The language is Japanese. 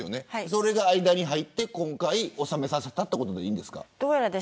それが間に入って今回、収めさせたということでいいんですか。